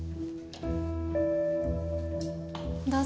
どうぞ。